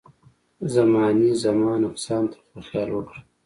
زمانې زما نقصان ته خو خیال وکړه.